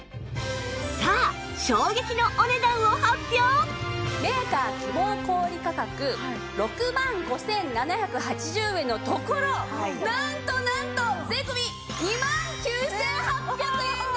さあメーカー希望小売価格６万５７８０円のところなんとなんと税込２万９８００円です！